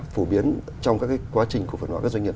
phổ biến trong các cái quá trình của phần ngoại các doanh nghiệp